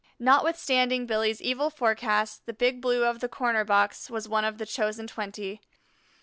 Notwithstanding Billy's evil forecasts, the Big Blue of the Corner box was one of the chosen twenty.